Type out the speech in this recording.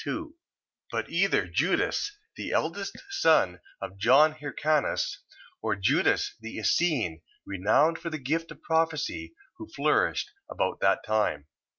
2,) but either Judas the eldest son of John Hircanus, or Judas the Essene, renowned for the gift of prophecy, who flourished about that time.